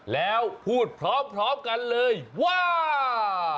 แล้วพูดพร้อมกันเลยว่า